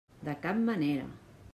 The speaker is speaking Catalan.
De cap manera!